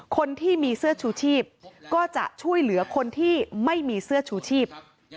คนที่มีเสื้อชูชีพก็จะช่วยเหลือคนที่ไม่มีเสื้อชูชีพ